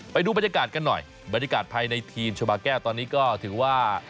ไปดูบรรยากาศกันหน่อยบรรยากาศภายในทีมชาบาแก้วตอนนี้ก็ถือว่า